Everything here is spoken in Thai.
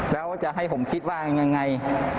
แล้วจะให้ผมคิดว่ายังไง